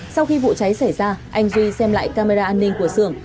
sau khi vụ cháy xảy ra anh duy xem lại camera an ninh của sưởng